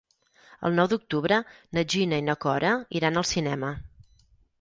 El nou d'octubre na Gina i na Cora iran al cinema.